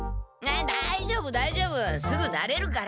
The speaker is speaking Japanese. だいじょうぶだいじょうぶすぐなれるから。